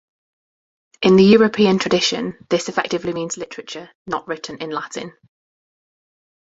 In the European tradition, this effectively means literature not written in Latin.